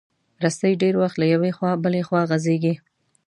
رسۍ ډېر وخت له یوې خوا بله خوا غځېږي.